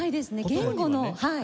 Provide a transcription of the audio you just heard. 言語のはい。